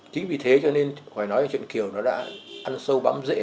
chính vì thế cho nên hoài nói là chuyện kiều nó đã ăn sâu bắm rễ